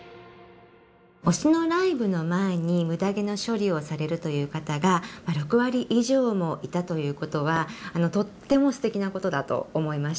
推しのライブの前にむだ毛の処理をされるという方が６割以上もいたということはとってもすてきなことだと思いました。